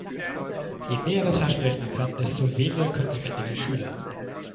Je mehr der Taschenrechner kann, desto weniger können am Ende die Schüler.